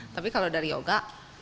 tapi kalau dari yoga